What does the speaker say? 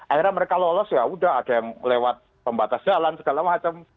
akhirnya mereka lolos yaudah ada yang lewat pembatas jalan segala macam